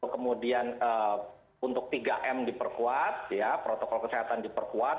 kemudian untuk tiga m diperkuat protokol kesehatan diperkuat